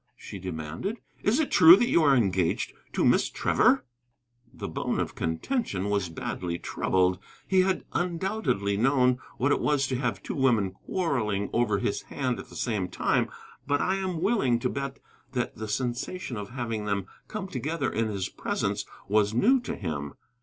she demanded; "is it true that you are engaged to marry Miss Trevor?" The Bone of Contention was badly troubled. He had undoubtedly known what it was to have two women quarrelling over his hand at the same time, but I am willing to bet that the sensation of having them come together in his presence was new to him.